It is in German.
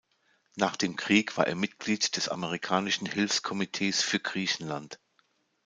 Nach dem Krieg war er Mitglied des Amerikanischen Hilfskomitees für Griechenland.